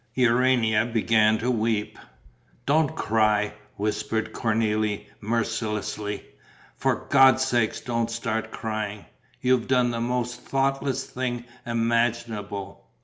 Urania began to weep. "Don't cry!" whispered Cornélie, mercilessly. "For God's sake don't start crying. You've done the most thoughtless thing imaginable...."